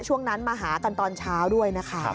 ช่วงนั้นมาหากันตอนเช้าด้วยนะคะ